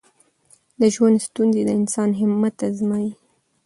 د ژوند ستونزې د انسان همت ازمويي.